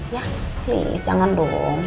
ya please jangan dong